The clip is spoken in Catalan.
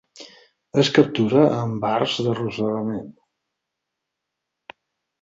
Es captura amb arts d'arrossegament.